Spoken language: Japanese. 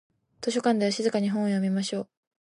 図書館では静かに本を読みましょう。